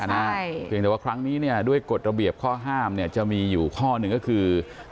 เพียงแต่ว่าครั้งนี้เนี่ยด้วยกฎระเบียบข้อห้ามจะมีอยู่ข้อหนึ่งก็คือ